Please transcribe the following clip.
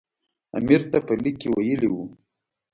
امیر ته په لیک کې ویلي وو.